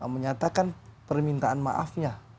menyatakan permintaan maafnya